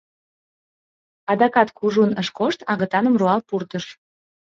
Адакат кужун ыш кошт, агытаным руал пуртыш.